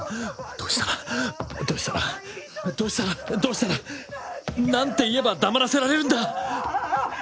どうしたらどうしたらどうしたらどうしたら。なんて言えば黙らせられるんだ！？